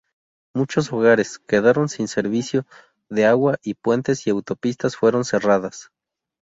Muchos hogares quedaron sin servicio de agua y puentes y autopistas fueron cerradas.